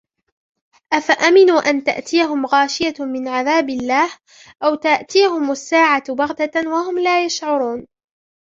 أفأمنوا أن تأتيهم غاشية من عذاب الله أو تأتيهم الساعة بغتة وهم لا يشعرون